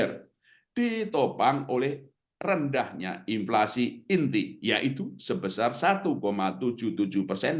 tiga lima persen yertu year on year ditopang oleh rendahnya inflasi inti yaitu sebesar satu tujuh puluh tujuh persen